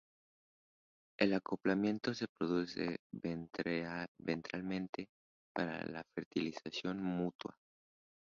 El acoplamiento se produce ventralmente para la fertilización mutua.